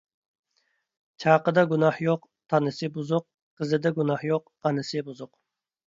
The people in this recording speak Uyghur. چاقىدا گۇناھ يوق، تانىسى بۇزۇق. قىزىدا گۇناھ يوق، ئانىسى بۇزۇق.